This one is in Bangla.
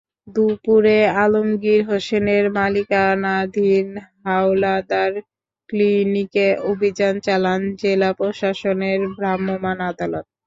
দুপুরে আলমগীর হোসেনের মালিকানাধীন হাওলাদার ক্লিনিকে অভিযান চালান জেলা প্রশাসনের ভ্রাম্যমাণ আদালত।